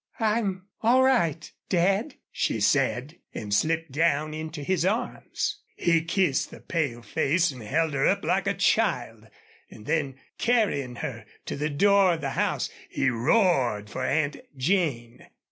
"I'm all right Dad," she said, and slipped down into his arms. He kissed the pale face and held her up like a child, and then, carrying her to the door of the house, he roared for Aunt Jane.